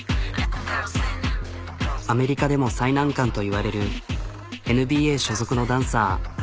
アメリカでも最難関といわれるＮＢＡ所属のダンサー。